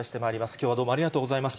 きょうはどうもありがとうございます。